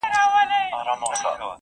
تعلیم به د فقر مخه ونیسي.